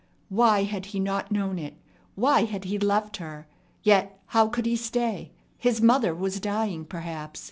Why had he not known it? Why had he left her? Yet how could he stay? His mother was dying perhaps.